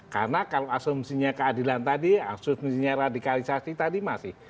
karena kalau asumsinya keadilan tadi asumsinya radikalisasi tadi masih